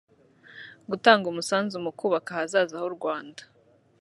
gutanga umusanzu mu kubaka ahazaza h’u Rwanda